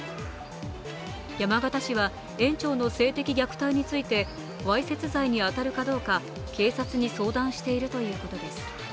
山形市は園長の性的虐待についてわいせつ罪に当たるかどうか警察に相談しているということです。